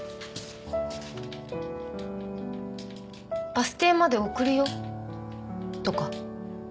バス停まで送るよとか。